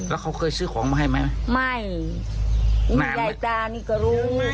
แล้วเขาเคยซื้อของมาให้ไหมไม่แม่ยายตานี่ก็รู้